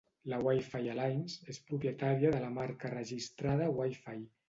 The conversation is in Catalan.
La Wi-Fi Alliance és propietària de la marca registrada "Wi-Fi".